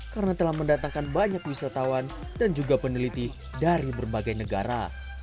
karena telah mendatangkan banyak wisatawan dan juga peneliti dari berbagai negara